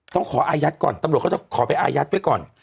ต้องขออายัดก่อนตำรวจเขาจะขอไปอายัดไว้ก่อน